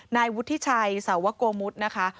นายวุฒิชัยสาวโกมุทนะคะ